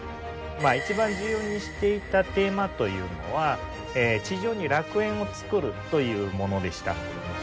一番重要にしていたテーマというのは「地上に楽園を作る」というものでした。